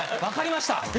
分かりました。